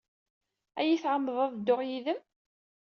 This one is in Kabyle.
Ad iyi-tɛemmdeḍ ad dduɣ yid-m?